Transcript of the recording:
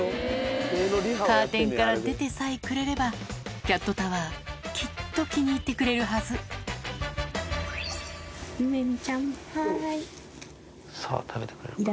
カーテンから出てさえくれれば、キャットタワー、きっと気に入っゆめみちゃん、はーい。さあ、食べてくれるか。